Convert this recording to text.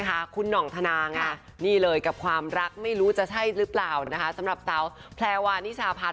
ทานางนี่เลยกับความรักไม่รู้จะใช่หรือเปล่าสำหรับเตาแพลวานิชาพัส